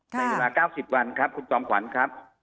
ในเวลา๙๐วันครับคุณจอมขวัญครับ